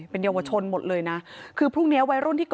เป็นเยาวชนหมดเลยนะ